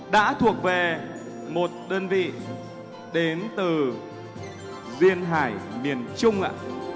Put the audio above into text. đã thuộc về một đơn vị đến từ duyên hải miền trung